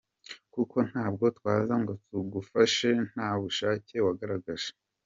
Kuko ntabwo twaza ngo tugufashe nta bushake wagaragaje.